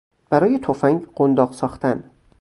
برای تفنگ قنداق ساختن